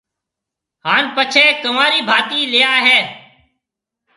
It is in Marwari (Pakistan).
ھان پڇيَ ڪنورِي ڀاتِي ليا ھيََََ